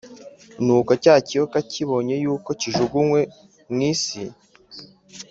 Nuko cya kiyoka kibonye yuko kijugunywe mu isi,